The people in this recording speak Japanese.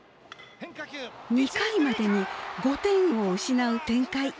２回までに５点を失う展開。